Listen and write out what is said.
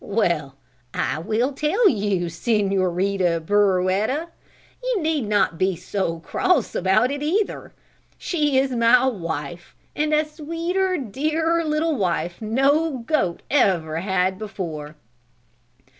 "Well, I will tell you, Senorita Burroetta, and you need not be so cross about it either. She is my wife and a sweeter, dearer little wife no goat ever had before!"